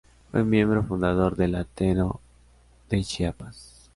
Fue miembro fundador del Ateneo de Chiapas.